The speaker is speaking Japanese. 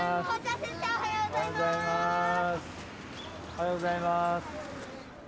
おはようございます。